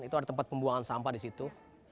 itu ada tempat pembuangan sampah disitu